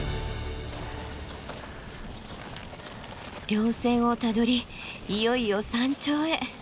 稜線をたどりいよいよ山頂へ。